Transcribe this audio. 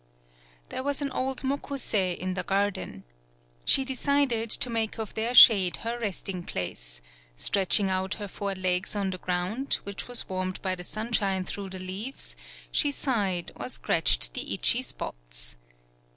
There was an old Mokusei in the garden. She decided to make of their shade her resting place; stretching 119 PAULOWNIA out her four legs on the ground, which was warmed by the sunshine through the leaves, she sighed or scratched the itchy spots.